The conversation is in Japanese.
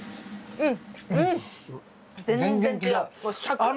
うん。